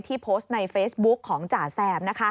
โพสต์ในเฟซบุ๊กของจ่าแซม